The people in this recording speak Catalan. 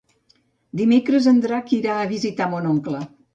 Dimecres en Drac irà a visitar mon oncle.